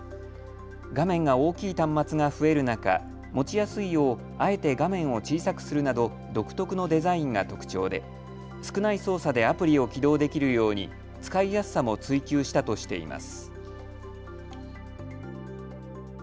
画面が大きい端末が増える中、持ちやすいよう、あえて画面を小さくするなど独特のデザインが特徴で少ない操作でアプリを起動できるように使いやすさも追求したとしています。